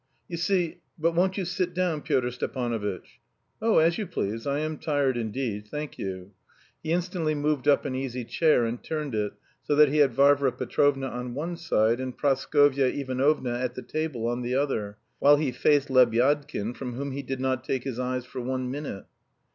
"You see.... But won't you sit down, Pyotr Stepanovitch?" "Oh, as you please. I am tired indeed. Thank you." He instantly moved up an easy chair and turned it so that he had Varvara Petrovna on one side and Praskovya Ivanovna at the table on the other, while he faced Lebyadkin, from whom he did not take his eyes for one minute.